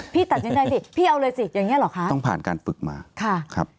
พี่ตัดยังได้สิพี่เอาเลยสิอย่างนี้หรอคะ